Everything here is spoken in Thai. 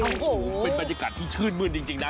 โอ้โหเป็นบรรยากาศที่ชื่นมื้นจริงนะ